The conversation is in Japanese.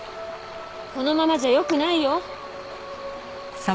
このままじゃよくないよ。